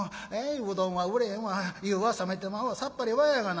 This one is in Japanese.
うどんは売れへんわ湯は冷めてまうわさっぱりわやがな」。